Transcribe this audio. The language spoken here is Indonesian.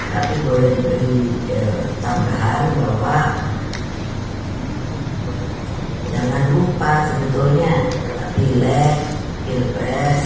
tapi boleh diketahui bahwa jangan lupa sebetulnya pilih pilpres